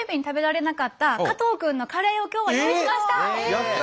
やった！